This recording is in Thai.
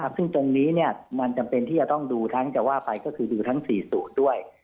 ซึ่งตรงนี้มันจำเป็นที่จะต้องดูทั้งจะว่าไปก็คือดูทั้ง๔สูตรด้วย